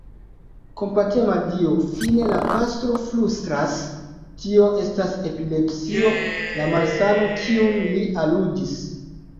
Kompatema Dio! fine la pastro flustras, tio estas epilepsio, la malsano, kiun li aludis.